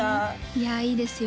いやいいですよ